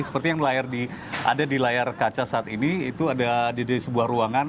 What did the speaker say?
seperti yang ada di layar kaca saat ini itu ada di sebuah ruangan